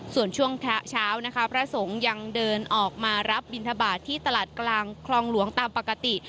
ส่วนช่วงเช้านะคะพระสงฆ์ยังเดินออกมารับบินทบาทที่ตลาดกลางคลองหลวงตามปกติ